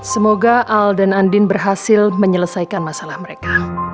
semoga al dan andin berhasil menyelesaikan masalah mereka